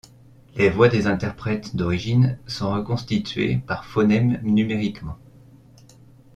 Les voix des interprètes d'origine sont reconstituées par phonème numériquement.